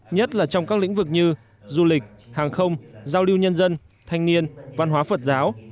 nhất là trong các lĩnh vực như du lịch hàng không giao lưu nhân dân thanh niên văn hóa phật giáo